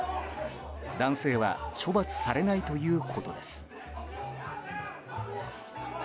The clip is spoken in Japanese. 男性は処罰されないということです。